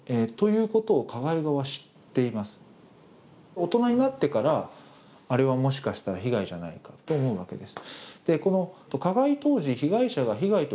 大人になってから、あれはもしかしたら被害じゃないかと思うわけです。